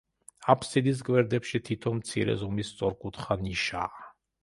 აფსიდის გვერდებში თითო მცირე ზომის სწორკუთხა ნიშაა.